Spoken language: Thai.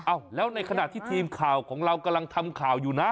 อ้าวแล้วในขณะที่ทีมข่าวของเรากำลังทำข่าวอยู่นะ